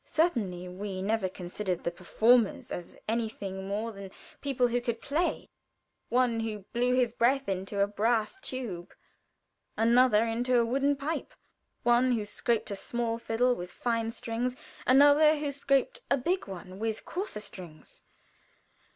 Certainly we never considered the performers as anything more than people who could play one who blew his breath into a brass tube; another into a wooden pipe; one who scraped a small fiddle with fine strings, another who scraped a big one with coarse strings.